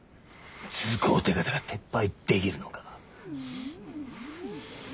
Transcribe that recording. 通行手形が撤廃できるのか？